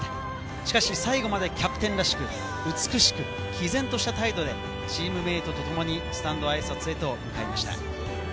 しかし最後までキャプテンらしく、美しく毅然とした態度でチームメイトとともにスタンドにあいさつへと向かいました。